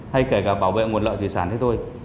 hay kể cả bảo vệ nguồn lợi thủy sản thế thôi